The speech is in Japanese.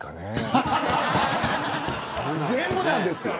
全部なんですよ。